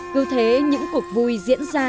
cứ thế những cuộc vui diễn ra